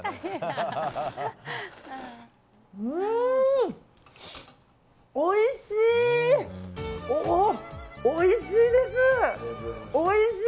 うん、おいしい！